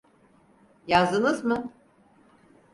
Yazdınız mı?